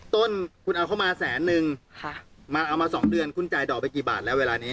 ต้นคุณเอาเข้ามาแสนนึงเอามา๒เดือนคุณจ่ายดอกไปกี่บาทแล้วเวลานี้